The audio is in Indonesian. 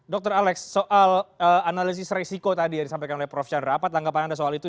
dr alex soal analisis resiko tadi yang disampaikan oleh prof chandra apa tanggapan anda soal itu